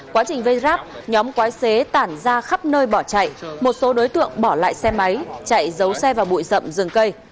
quá trình vây ráp nhóm quái xế tản ra khắp nơi bỏ chạy một số đối tượng bỏ lại xe máy chạy giấu xe vào bụi rậm dừng cây